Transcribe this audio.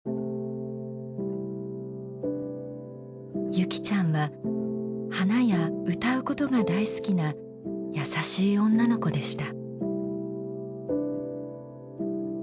優希ちゃんは花や歌うことが大好きな優しい女の子でした。